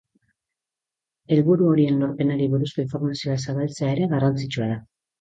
Helburu horien lorpenari buruzko informazioa zabaltzea ere garrantzitsua da.